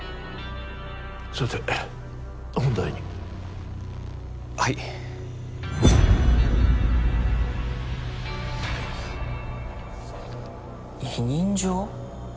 さて本題にはい委任状？